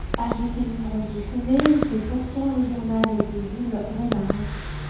Un de ses livres de chevet était pourtant le journal de Jules Renard.